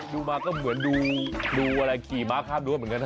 ดูมาก็เหมือนดูอะไรขี่มาที่ข้ามด้วยเหมือนกัน